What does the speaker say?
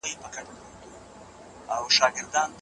پښتو ژبه د پښتنو د ژوند هنداره ده